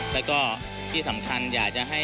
แล้วก็ที่สำคัญอยากจะให้